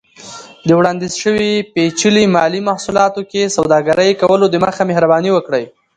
د وړاندیز شوي پیچلي مالي محصولاتو کې سوداګرۍ کولو دمخه، مهرباني وکړئ